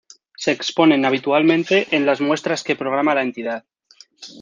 Se exponen habitualmente en las muestras que programa la entidad.